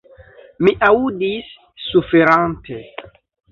Mi aŭdis, suferante.